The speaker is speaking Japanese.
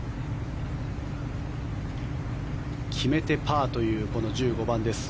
決めてパーというこの１５番です。